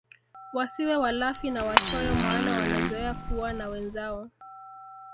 Wasiwe walafi na wachoyo maana wanazoea kuwa na wenzao